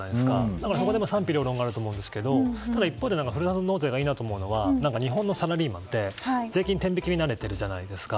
だから賛否両論があると思いますが一方でふるさと納税がいいなと思うのは日本のサラリーマンって税金の天引きに慣れているじゃないですか。